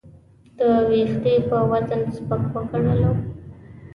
د وېښتې په وزن سپک وګڼلو.